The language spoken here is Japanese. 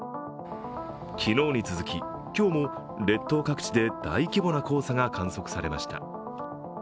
昨日に続き、今日も列島各地で大規模な黄砂が観測されました。